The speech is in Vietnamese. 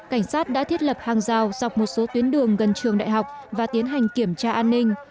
cảnh sát đã thiết lập hàng rào dọc một số tuyến đường gần trường đại học và tiến hành kiểm tra an ninh